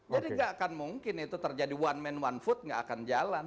jadi nggak akan mungkin itu terjadi one man one food nggak akan jalan